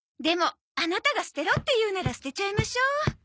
でもアナタが捨てろって言うなら捨てちゃいましょう。